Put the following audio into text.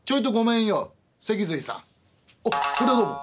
「あっこりゃどうも。